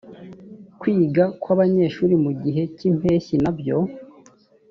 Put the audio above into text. kwiga kw abanyeshuri mu gihe cy impeshyi nabyo